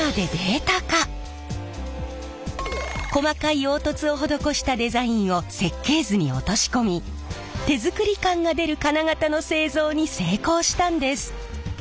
細かい凹凸を施したデザインを設計図に落とし込み手作り感が出る金型の製造に成功したんです！